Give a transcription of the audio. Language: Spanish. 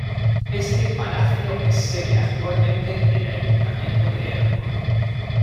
Este palacio es sede actualmente del Ayuntamiento de Ermua.